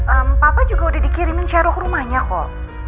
eh papa juga udah dikirimin shero ke rumahnya kok